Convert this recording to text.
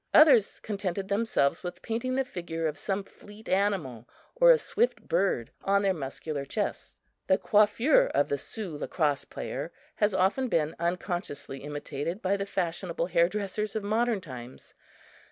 Others contented themselves with painting the figure of some fleet animal or swift bird on their muscular chests. The coiffure of the Sioux lacrosse player has often been unconsciously imitated by the fashionable hair dressers of modern times.